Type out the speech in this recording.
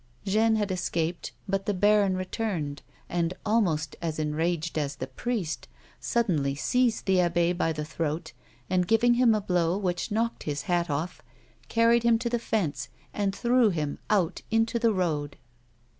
Jeanne had escaped, but the baron returned and, almost as enraged as the priest, suddenly seized the abbe by the throat, and giving him a blow which knocked his hat off, carried him to the fence and threw him out into the road.